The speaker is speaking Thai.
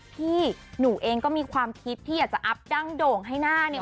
พี่หนูเองก็มีความคิดที่อยากจะอัพดั้งโด่งให้หน้าเนี่ย